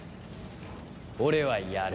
俺はやる。